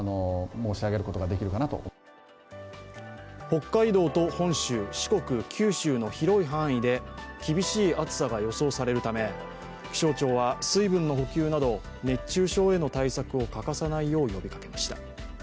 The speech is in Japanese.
北海道と本州、四国、九州の広い範囲で厳しい暑さが予想されるため、気象庁は水分の補給など熱中症への対策を欠かさないよう呼びかけました。